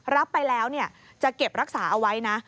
รับไปแล้วจะเก็บรักษาเอาไว้นะ